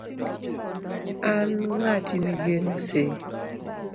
an ng'ati migeno sei